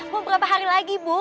bu berapa hari lagi bu